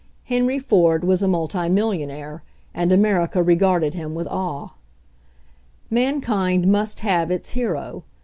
Henry Ford was a multimillionaire, and America regarded him with awe. Mankind must have its hero.